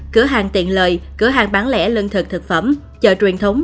cửa hàng tiện lợi cửa hàng bán lẻ lương thực thực phẩm chợ truyền thống